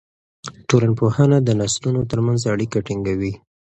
ټولنپوهنه د نسلونو ترمنځ اړیکه ټینګوي.